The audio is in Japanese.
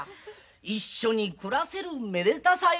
一緒に暮らせるめでたさよ。